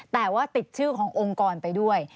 แต่ว่าติดชื่อขององค์กรไปด้วย